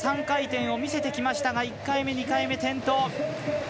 ３回転を見せてきましたが１回目、２回目で転倒。